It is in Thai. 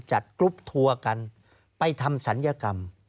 กรุ๊ปทัวร์กันไปทำศัลยกรรม